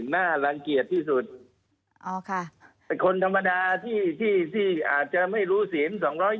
น่ารังเกียจที่สุดไอ้คนธรรมดาที่อาจจะไม่รู้ศีล๒๒๐